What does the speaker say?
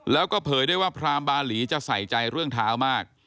แล้วก็เผยได้ว่าพรามบาหลีจะใส่ใจเรื่องเท้ามาก